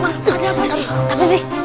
ada apa sih